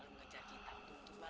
akubringen akan tanggal elevator